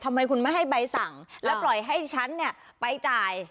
ทำไมคุณไม่ให้ใบสั่งแล้วปล่อยให้ฉันเนี่ยไปจ่าย